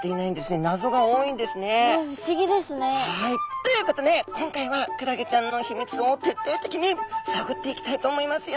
ということで今回はクラゲちゃんの秘密をてっていてきにさぐっていきたいと思いますよ。